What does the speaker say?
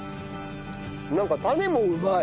なんかタネもうまい。